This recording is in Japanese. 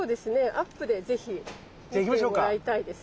アップで是非見てもらいたいですね。